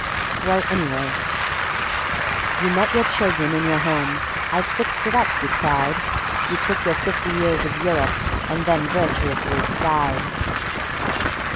Well, anyway.... "You met your children in your home—'I've fixed it up!' you cried, Took your fifty years of Europe, and then virtuously—died."